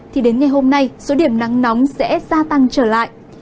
thì đến ngày hôm nay số điểm nắng nóng sẽ gia tăng trở lại